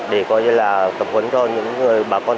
để coi như là tập huấn cho những người bà con